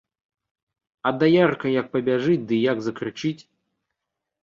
А даярка як пабяжыць ды як закрычыць.